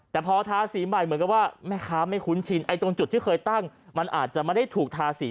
แต่พอทาสีใหม่เหมือนกับว่าแม่ค้าไม่คุ้นชินไอ้ตรงจุดที่เคยตั้งมันอาจจะไม่ได้ถูกทาสี